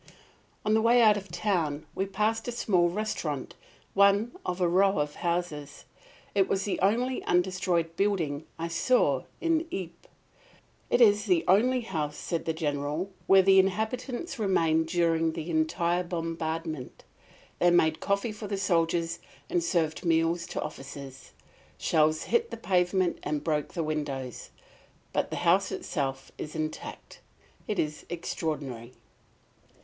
On the way out of the town we passed a small restaurant, one of a row of houses. It was the only undestroyed building I saw in Ypres. "It is the only house," said the General, "where the inhabitants remained during the entire bombardment. They made coffee for the soldiers and served meals to officers. Shells hit the pavement and broke the windows; but the house itself is intact. It is extraordinary."